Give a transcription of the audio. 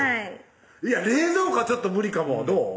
冷蔵庫はちょっと無理かもどう？